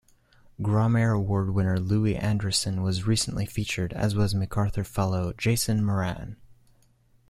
Grawemeyer Award winner Louis Andriessen was recently featured as was MacArthur Fellow Jason Moran.